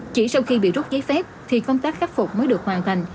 chỉ sau khi bị rút giấy phép thì công tác khắc phục mới được hoàn thành